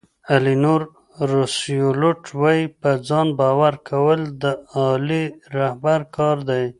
الینور روسیولوټ وایي په ځان باور کول د عالي رهبر کار دی.